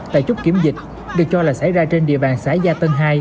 tại chốt kiểm dịch được cho là xảy ra trên địa bàn xã gia tân hai